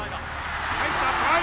入ったトライ。